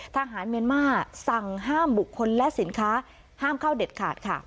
ทหารเมียนมาร์สั่งห้ามบุคคลและสินค้าห้ามเข้าเด็ดขาดค่ะ